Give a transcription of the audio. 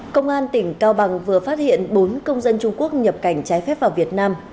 công an tỉnh cao bằng vừa phát hiện bốn công dân trung quốc nhập cảnh trái phép vào việt nam